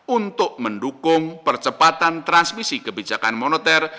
untuk mendukung percepatan transmisi kebijakan moneter